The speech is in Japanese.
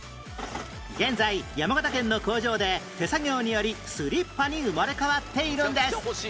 現在山形県の工場で手作業によりスリッパに生まれ変わっているんです